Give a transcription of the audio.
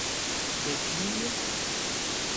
De kie?